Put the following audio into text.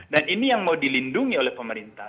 dan ini yang mau dilindungi oleh pemerintah